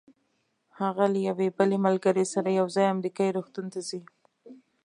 هغه له یوې بلې ملګرې سره یو ځای امریکایي روغتون ته ځي.